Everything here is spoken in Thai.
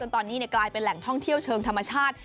ตอนนี้กลายเป็นแหล่งท่องเที่ยวเชิงธรรมชาติ